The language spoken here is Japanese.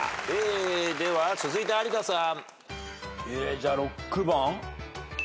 では続いて有田さん。